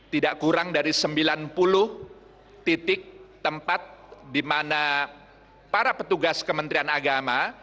tidak kurang dari sembilan puluh titik tempat di mana para petugas kementerian agama